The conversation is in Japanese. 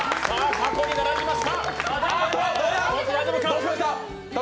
過去に並びました。